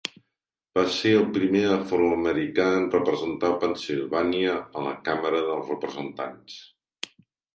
Va ser el primer afroamericà en representar Pennsilvània a la Càmera de Representants.